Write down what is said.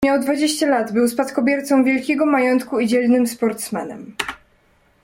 "Miał dwadzieścia lat, był spadkobiercą wielkiego majątku i dzielnym sportsmenem."